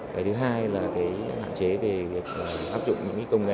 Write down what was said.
cái thứ hai là cái hạn chế về việc áp dụng những công nghệ